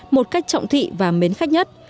một cách trọng thị và mến khách nhất